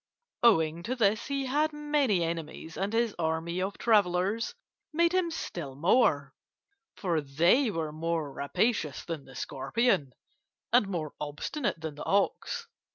Owing to this he had many enemies, and his army of travellers made him still more; for they were more rapacious than the scorpion, and more obstinate than the ox.